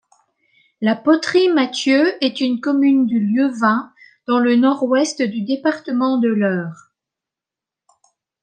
La Poterie-Mathieu est une commune du Lieuvin, dans le Nord-Ouest du département de l'Eure.